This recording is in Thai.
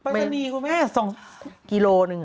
ปรายศนีย์คือแม่๒กิโลหนึ่ง